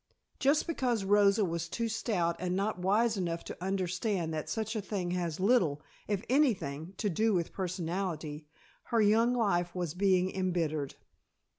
Just because Rosa was too stout and not wise enough to understand that such a thing has little, if anything, to do with personality, her young life was being embittered.